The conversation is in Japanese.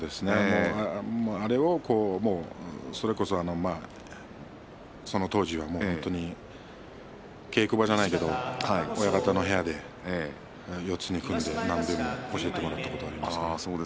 あれを、その当時は稽古場じゃないけど親方の部屋で四つに組んで何べんも教えてもらったことがあります。